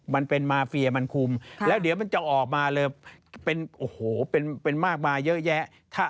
มันเป็นมาเฟียมันคุมแล้วเดี๋ยวมันจะออกมาเลยเป็นโอ้โหเป็นมากมาเยอะแยะ